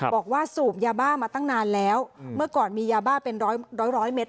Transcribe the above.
สูบยาบ้ามาตั้งนานแล้วเมื่อก่อนมียาบ้าเป็นร้อยร้อยเม็ด